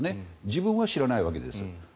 自分は知らないわけです。